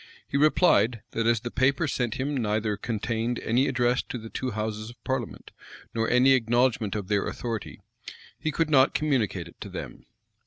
He replied, that as the paper sent him neither contained any address to the two houses of parliament, nor any acknowledgment of their authority, he could not communicate it to them.